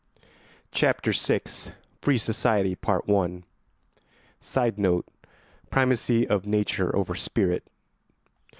CHAPTER VI FREE SOCIETY [Sidenote: Primacy of nature over spirit.